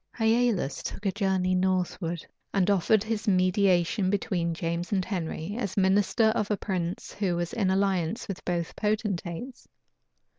[*]* Polyd. Virg. p. 603. Hialas took a journey northwards, and offered his mediation between James and Henry, as minister of a prince who was in alliance with both potentates.